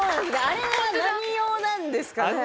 あれは何用なんですかね？